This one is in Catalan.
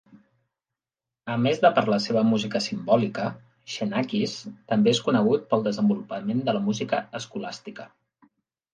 A més de per la seva música simbòlica, Xenakis també és conegut pel desenvolupament de la música escolàstica.